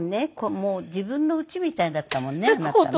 もう自分の家みたいだったもんね